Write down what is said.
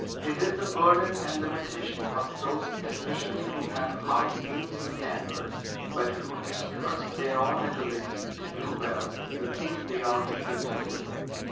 It is the burden and limitation of those especially who have high aims and standards, but who distrust their own ability to do well the things they are eager to do.